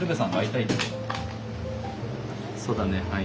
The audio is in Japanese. そうだねはい。